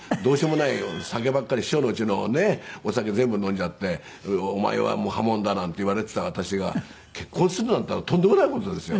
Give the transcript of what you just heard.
酒ばっかり師匠の家のねお酒全部飲んじゃって「お前は破門だ」なんて言われてた私が結婚するなんていうのはとんでもない事ですよ。